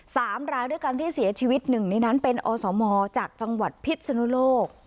สามรายด้วยกันที่เสียชีวิตหนึ่งในนั้นเป็นอสมจากจังหวัดพิษนุโลก